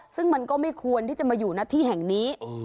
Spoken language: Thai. ซึ่งมันก็ไม่ควรที่จะมาอยู่หน้าที่แห่งนี้